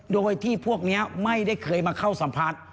โดยที่พวกนี้ไม่ได้เคยมาเข้าสัมผัส